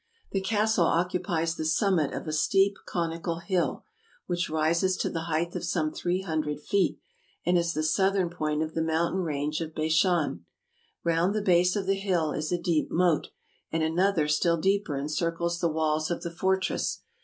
The castle occupies the summit of a steep conical hill, which rises to the height of some three hundred feet, and is the southern point of the mountain range of Bashan. Round the base of the hill is a deep moat, and another still deeper encircles the walls of the fortress.